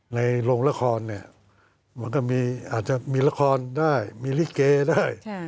ในโรงละครเนี่ยมันก็มีอาจจะมีละครได้มีลิเกได้